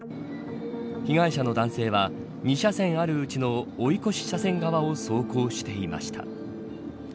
被害者の男性は２車線あるうちの追い越し車線側を走行していました。